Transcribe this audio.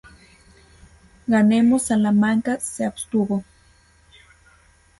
Ganemos Salamanca se abstuvo.